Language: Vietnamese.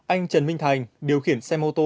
anh trần minh thành điều khiển xe mô tô